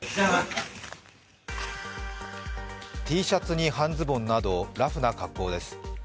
Ｔシャツに半ズボンなどラフな格好です。